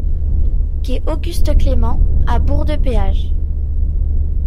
Quai Auguste Clément à Bourg-de-Péage